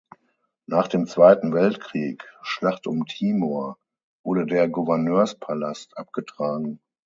Nach dem Zweiten Weltkrieg (Schlacht um Timor) wurde der Gouverneurspalast abgetragen.